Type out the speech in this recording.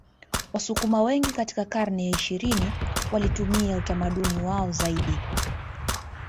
Wasukuma wengi katika karne ya ishirini walitumia utamaduni wao zaidi